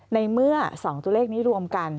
ในเมื่อ๒ตัวเลขนี้รวมกัน